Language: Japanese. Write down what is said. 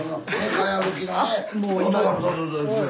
かやぶきのね。